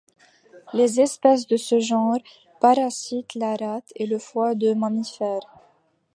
Les espèces de ce genre parasitent la rate et le foie de mammifères.